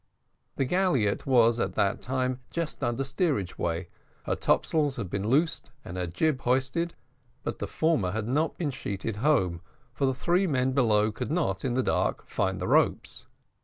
The galliot was at that time just under steerage way, her topsail had been loosed and her jib hoisted, but the former had not been sheeted home, for the three men below could not, in the dark, find the ropes.